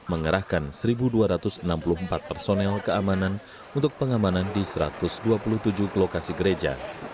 mengerahkan satu dua ratus enam puluh empat personel keamanan untuk pengamanan di satu ratus dua puluh tujuh lokasi gereja